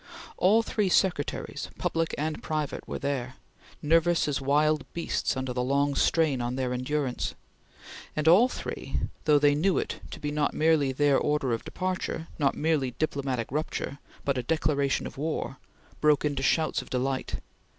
All three secretaries, public and private were there nervous as wild beasts under the long strain on their endurance and all three, though they knew it to be not merely their order of departure not merely diplomatic rupture but a declaration of war broke into shouts of delight.